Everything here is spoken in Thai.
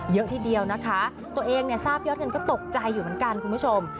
เยอะทีเดียวนะคะตัวเองเนี่ยทราบยอดเงินก็ตกใจอยู่เหมือนกันคุณผู้ชม